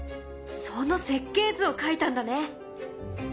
その設計図を描いたんだね。